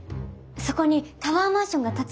そこにタワーマンションが建つんです。